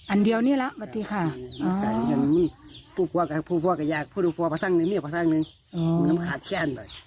อันเดียวเนี่ยเหรอปัจจีกภาพนี้แหละค่ะ